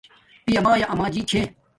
پیا مایا آما جی چھے